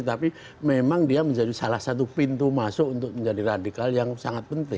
tapi memang dia menjadi salah satu pintu masuk untuk menjadi radikal yang sangat penting